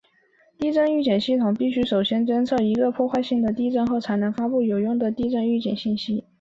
地震预警系统必须首先侦测确定一个破坏性的地震后才能发布有用的地震预警信息。